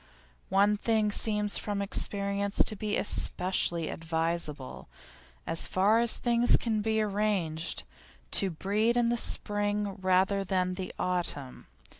One thing seems from experience to be especially advisable as far as can be arranged, to breed in the spring rather than autumn.